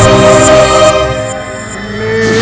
baik ayahanda prabu